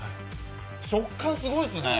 食感すごいっすね。